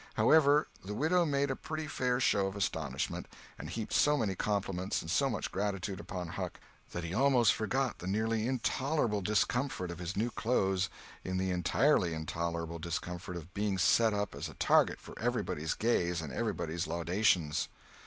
However, the widow made a pretty fair show of astonishment, and heaped so many compliments and so much gratitude upon Huck that he almost forgot the nearly intolerable discomfort of his new clothes in the entirely intolerable discomfort of being set up as a target for everybody's gaze and everybody's laudations.